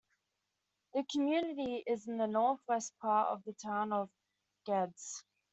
The community is in the northwest part of the town of Geddes.